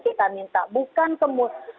kita minta bukan kemusik